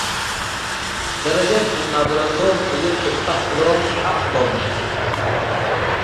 ደረጀት መናበረቶም እግል ትጥፈሕ እሎም ሐቅ ቦም።